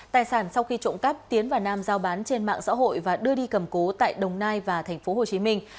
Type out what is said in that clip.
tài sản sau khi trộm cắp tiến và nam giao bán trên mạng xã hội và đưa đi cầm cố tại đồng nai và thành phố hồ chí minh